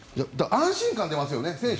安心感が出ますよね。